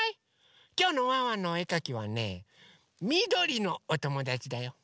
きょうのワンワンのおえかきはねみどりのおともだちだよ。